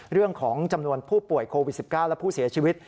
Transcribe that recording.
เรื่องของจำนวนผู้ป่วยโควิด๑๙และผู้เสียชีวิต